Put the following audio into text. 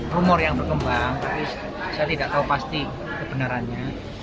rumor yang berkembang tapi saya tidak tahu pasti kebenarannya